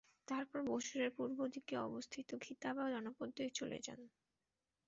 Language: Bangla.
তারপর বুসরার পূর্বদিকে অবস্থিত খিতাবা জনপদে চলে যান।